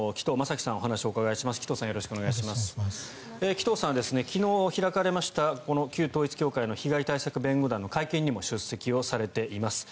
紀藤さんは昨日開かれました被害対策弁護団の会見にも出席されています。